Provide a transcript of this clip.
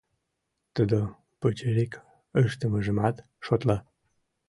Тудо пычырик ыштымыжымат шотла.